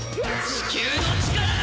地球の力だ！